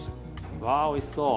わおいしそう。